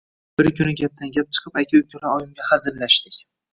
Bir kuni gapdan-gap chiqib, aka-ukalar oyimga hazillashdik: